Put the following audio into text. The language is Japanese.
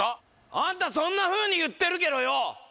あんたそんなふうに言ってるけどよ